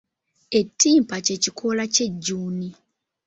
Ettimpa ky'ekikoola ky'ejjuuni.